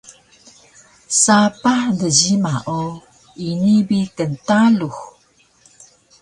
Sapah djima o ini bi ktalux